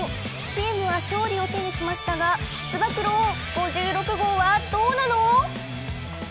チームは勝利を手にしましたがつば九郎、５６号はどうなの。